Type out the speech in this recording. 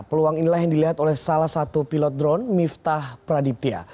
peluang inilah yang dilihat oleh salah satu pilot drone miftah pradipya